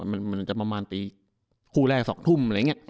คู่แรกก็ประมาณที่๒ทุ่ม